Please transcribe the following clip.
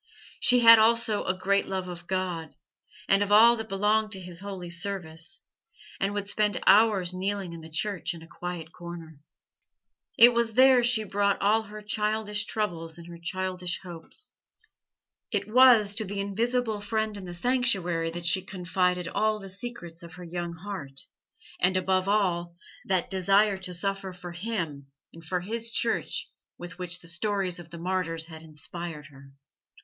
She had also a great love of God and of all that belonged to His holy service, and would spend hours kneeling in the church in a quiet corner. It was there she brought all her childish troubles and her childish hopes; it was to the invisible Friend in the sanctuary that she confided all the secrets of her young heart, and, above all, that desire to suffer for Him and for His Church with which the stories of the martyrs had inspired her.